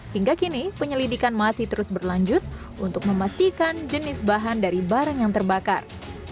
hingga kini penyelidikan masih terus berlanjut untuk memastikan jenis bahan dari barang yang terbakar